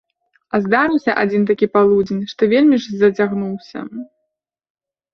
А здарыўся адзін такі полудзень, што вельмі ж зацягнуўся.